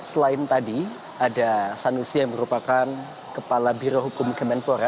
di dalam tadi ada sanusi yang merupakan kepala birohukum kemenpora